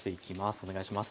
お願いします。